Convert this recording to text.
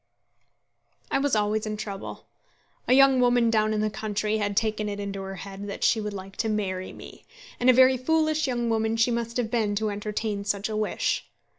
I was always in trouble. A young woman down in the country had taken it into her head that she would like to marry me, and a very foolish young woman she must have been to entertain such a wish.